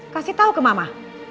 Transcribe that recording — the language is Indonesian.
kasih tau ke mama